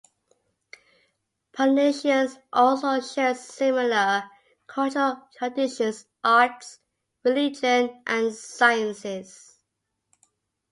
Polynesians also share similar cultural traditions, arts, religion, and sciences.